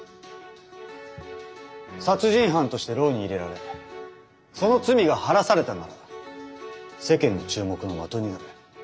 殺人犯として牢に入れられその罪が晴らされたなら世間の注目の的になる。